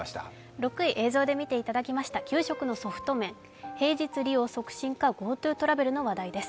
６位、映像で見ていただきました給食のソフト麺平日利用促進化、ＧｏＴｏトラベルの話題です。